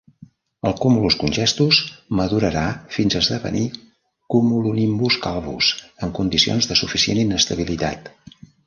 El Cumulus Congestus madurarà fins a esdevenir Cumulonimbus Calvus en condicions de suficient inestabilitat.